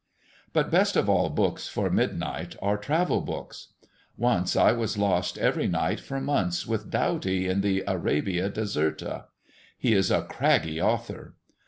But best of all books for midnight are travel books. Once I was lost every night for months with Doughty in the "Arabia Deserta." He is a craggy author.